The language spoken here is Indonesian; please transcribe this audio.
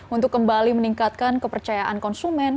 untuk kembali meningkatkan kepercayaan konsumen